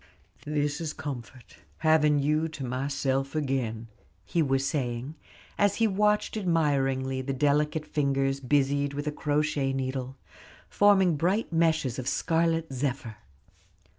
"This is comfort, having you to myself again," he was saying, as he watched admiringly the delicate fingers busied with a crochet needle, forming bright meshes of scarlet zephyr.